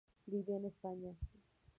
Vivió en España.